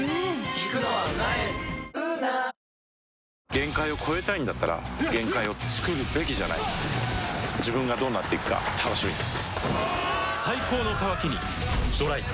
限界を越えたいんだったら限界をつくるべきじゃない自分がどうなっていくか楽しみです